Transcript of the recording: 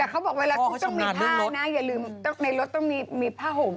แต่เขาบอกเวลาเขาต้องมีผ้านะอย่าลืมในรถต้องมีผ้าห่ม